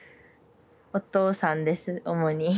お父さんです主に。